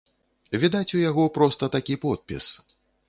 Відаць, у яго проста такі подпіс.